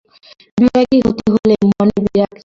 বিরাগী হতে হলে মনে বিরাগ চাই।